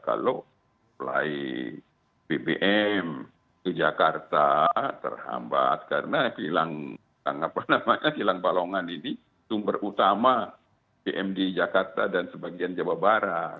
kalau mulai bbm ke jakarta terhambat karena kilang balongan ini sumber utama bmd jakarta dan sebagian jawa barat